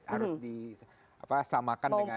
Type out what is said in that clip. harus disamakan dengan